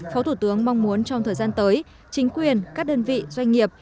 phó thủ tướng mong muốn trong thời gian tới chính quyền các đơn vị doanh nghiệp